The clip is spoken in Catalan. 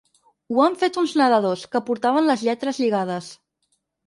Ho han fet uns nedadors, que portaven les lletres lligades.